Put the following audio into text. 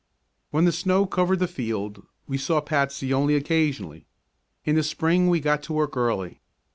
When the snow covered the field we saw Patsy only occasionally. In the spring we got to work early.